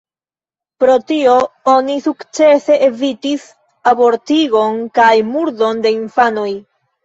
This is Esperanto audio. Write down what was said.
Pro tio oni sukcese evitis abortigon kaj murdon de infanoj.